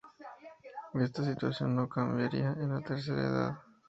Esta situación no cambiaría en la Tercera Edad.